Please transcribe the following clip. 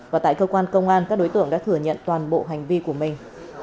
và tại cơ quan công an các đối tượng đã thừa nhận toàn bộ hành vi của mình